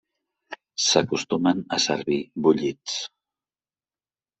S'acostumen a servir bullits.